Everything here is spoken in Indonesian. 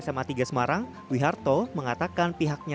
sehingga mungkin rencana kami ini